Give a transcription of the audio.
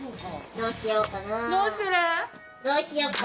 どうしようかな。